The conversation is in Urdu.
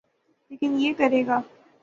لیکن یہ کرے گا۔